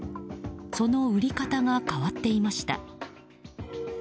その売り方が変わっていました。